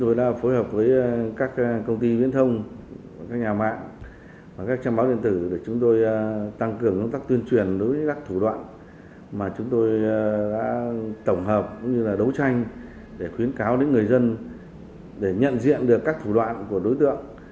tổng hợp cũng như là đấu tranh để khuyến cáo đến người dân để nhận diện được các thủ đoạn của đối tượng